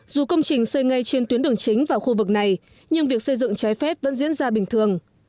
dù công trình xây ngay trên tuyến đường chính vào khu vực này nhưng việc xây dựng trái phép vẫn diễn ra bình thường